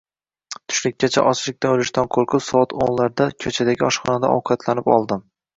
Tushlikkacha ochlikdan o`lishdan qo`rqib, soat o`nlarda ko`chadagi oshxonada ovqatlanib oldim